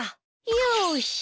よし。